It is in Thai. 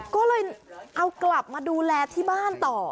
ก็เลยเอากลับมาดูแลที่บ้านต่อ